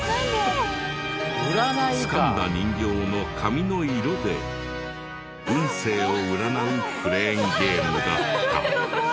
つかんだ人形の髪の色で運勢を占うクレーンゲームだった。